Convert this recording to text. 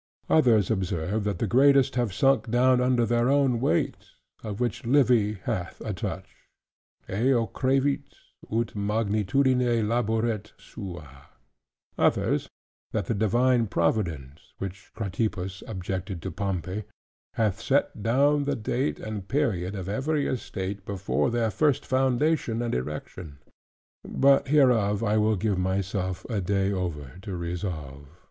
Others observe, that the greatest have sunk down under their own weight; of which Livy hath a touch: "eo crevit, ut magnitudine laboret sua": Others, That the divine providence (which Cratippus objected to Pompey) hath set down the date and period of every estate, before their first foundation and erection. But hereof I will give myself a day over to resolve.